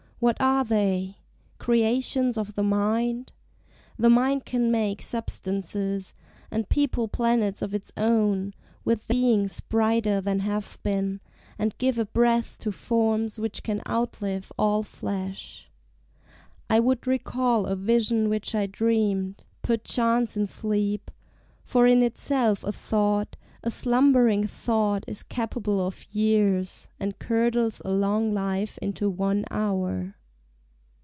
What are they? Creations of the mind? The mind can make Substances, and people planets of its own With beings brighter than have been, and give A breath to forms which can outlive all flesh. I would recall a vision which I dreamed Perchance in sleep, for in itself a thought, A slumbering thought, is capable of years, And curdles a long life into one hour.